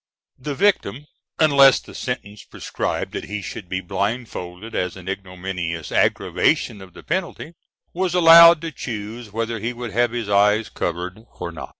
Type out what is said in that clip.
The victim unless the sentence prescribed that he should be blindfolded as an ignominious aggravation of the penalty was allowed to choose whether he would have his eyes covered or not.